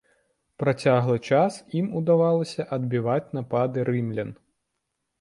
Працяглы час ім удавалася адбіваць напады рымлян.